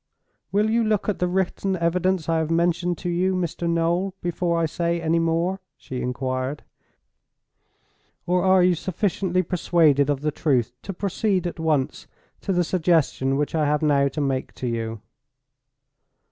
"Will you look at the written evidence I have mentioned to you, Mr. Noel, before I say any more?" she inquired. "Or are you sufficiently persuaded of the truth to proceed at once to the suggestion which I have now to make to you?"